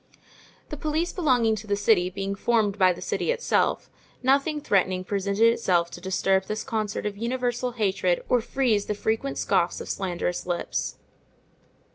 The police belonging to the city being formed by the city itself, nothing threatening presented itself to disturb this concert of universal hatred or freeze the frequent scoffs of slanderous lips.